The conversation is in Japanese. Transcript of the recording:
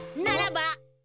ならば！